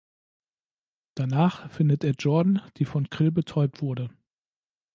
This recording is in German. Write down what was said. Danach findet er Jordan, die von Krill betäubt wurde.